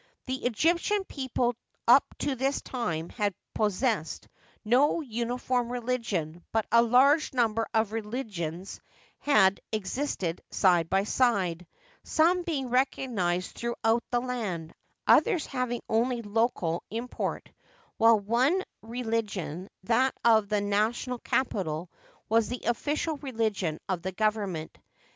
The Egyptian people up to this time had possessed no uniform religion, but a large number of religions had existed side by side, some being recognized throughout the land, others having only local import, while one re ligion — that of the national capital — was the official re ligion of the government.